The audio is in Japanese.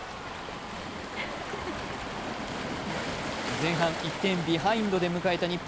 前半１点ビハインドで迎えた日本。